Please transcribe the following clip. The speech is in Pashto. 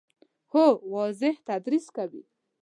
هو، واضح تدریس کوي